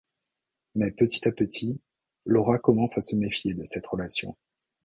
Mais petit à petit, Laura commence à se méfier de cette relation...